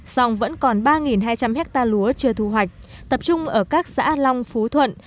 song vẫn còn ba hai trăm linh hectare lúa chưa thu hoạch tập trung ở các xã long phú thuận